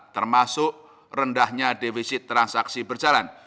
termasuk rendahnya defisit transaksi berjalan